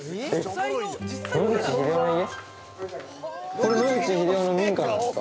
これ野口英世の民家なんですか？